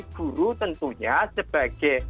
guru tentunya sebagai